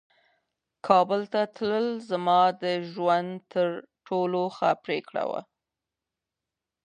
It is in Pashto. کابل ته تلل زما د ژوند تر ټولو ښه پرېکړه وه.